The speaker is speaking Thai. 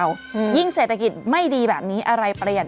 ไหนดูผักอีกทีอ่ะดูผัก